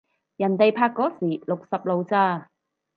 人哋拍嗰時六十路咋